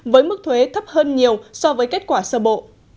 với mức thuế thấp hơn nhiều so với kết quả sơ bộ